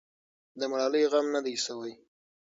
د ملالۍ غم نه دی سوی.